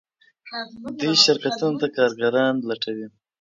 دوی شرکتونو ته کارګران لټوي.